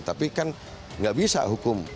tapi kan nggak bisa hukum